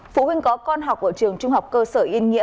phụ huynh có con học ở trường trung học cơ sở yên nghĩa